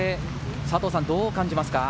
佐藤さん、どう感じますか？